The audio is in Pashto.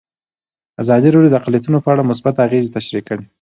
ازادي راډیو د اقلیتونه په اړه مثبت اغېزې تشریح کړي.